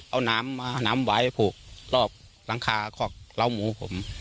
เอาน้ำมาน้ำไว้ผูกรอบหลังคาคอกเหล้าหมูผม